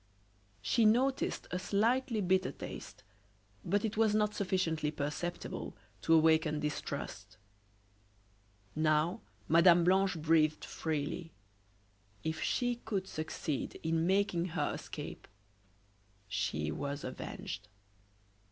She noticed a slightly bitter taste, but it was not sufficiently perceptible to awaken distrust. Now Mme. Blanche breathed freely. If she could succeed in making her escape she was avenged.